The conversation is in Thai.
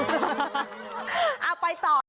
เอาไปต่อ